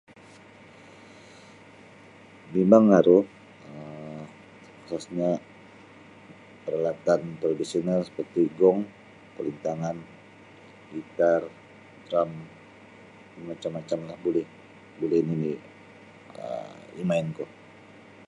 Mimang aru um khasnya peralatan tradisional seperti gong kulintangan gitar drum macam macam la buli buli buli nini um imain ku